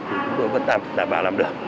chúng tôi vẫn đảm bảo làm được